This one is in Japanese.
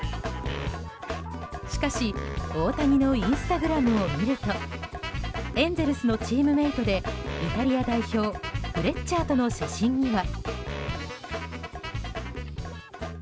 しかし大谷のインスタグラムを見るとエンゼルスのチームメートでイタリア代表、フレッチャーとの写真には。